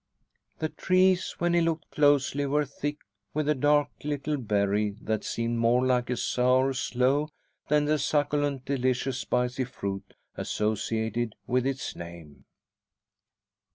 The trees, when he looked closely, were thick with a dark little berry that seemed more like a sour sloe than the succulent, delicious spicy fruit associated with its name.